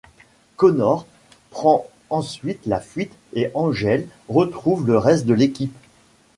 Connor prend ensuite la fuite et Angel retrouve le reste de l'équipe.